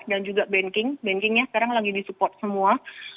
dan juga banking bankingnya sekarang lagi di support semua